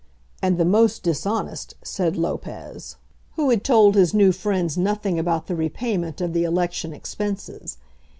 "And the most dishonest," said Lopez, who had told his new friends nothing about the repayment of the election expenses.